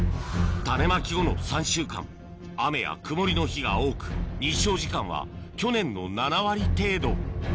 種まき後の３週間雨や曇りの日が多く日照時間は去年の７割程度